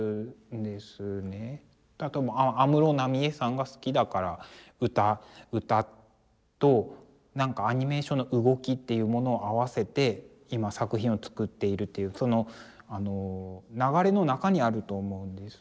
例えば安室奈美恵さんが好きだから歌となんかアニメーションの動きっていうものを合わせて今作品を作っているっていうその流れの中にあると思うんです。